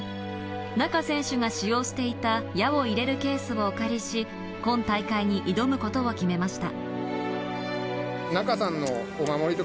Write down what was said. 仲選手が使用していた、矢を入れるケースをお借りし、今大会に挑むことを決めました。